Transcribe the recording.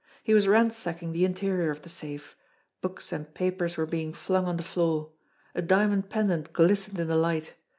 He was ransacking the interior of the safe. Books and papers were being flung on the floor. A diamond pendant glistened in the light.